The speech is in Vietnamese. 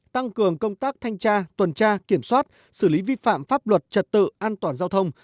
tăng cường công tác thanh tra tuần tra kiểm soát xử lý vi phạm pháp luật trật tự an toàn giao thông